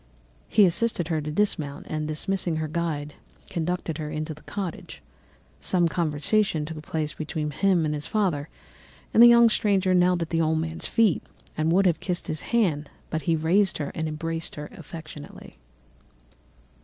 He assisted her to dismount, and dismissing her guide, conducted her into the cottage. Some conversation took place between him and his father, and the young stranger knelt at the old man's feet and would have kissed his hand, but he raised her and embraced her affectionately.